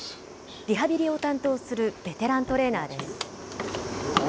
リハビリを担当するベテラントレーナーです。